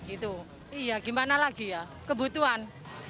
itu iya gimana lagi ya kebutuhan